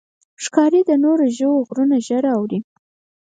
ښکاري د نورو ژوو غږونه ژر اوري.